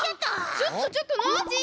ちょっとちょっとノージー！